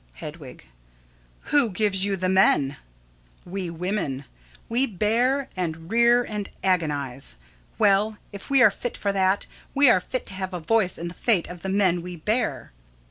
Hedwig: Who gives you the men? We women. We bear and rear and agonize. Well, if we are fit for that, we are fit to have a voice in the fate of the men we bear.